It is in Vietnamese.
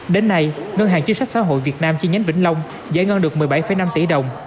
đến nay ngân hàng chính sách xã hội việt nam chi nhánh vĩnh long giải ngân được một mươi bảy năm tỷ đồng